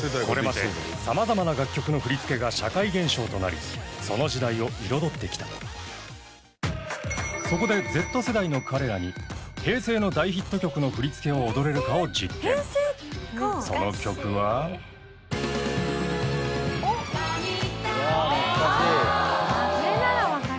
これまで様々な楽曲の振り付けが社会現象となりその時代を彩ってきたそこでＺ世代の彼らに平成の大ヒット曲の振り付けを踊れるかを実験その曲はカニ食べ行こう